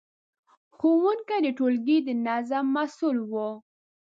ښوونکي د ټولګي د نظم مسؤل وو.